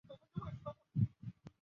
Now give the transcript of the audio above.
白川乡是指岐阜县内的庄川流域。